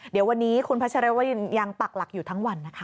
เดี๋ยววันนี้คุณพัชรวรินยังปักหลักอยู่ทั้งวันนะคะ